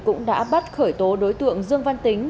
cũng đã bắt khởi tố đối tượng dương văn tính